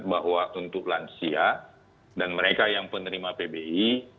bahwa untuk lansia dan mereka yang penerima pbi